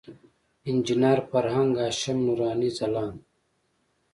انجینر فرهنګ، هاشم نوراني، ځلاند.